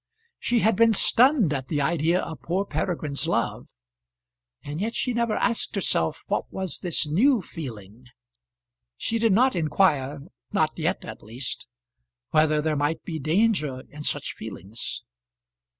She had been stunned at the idea of poor Peregrine's love, and yet she never asked herself what was this new feeling. She did not inquire not yet at least whether there might be danger in such feelings.